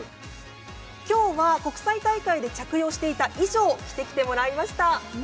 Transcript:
今日は国際大会で着用していた衣装を着てきてもらいました。